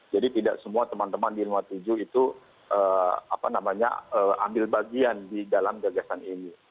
jadi tidak semua teman teman di lima puluh tujuh itu ambil bagian di dalam gagasan ini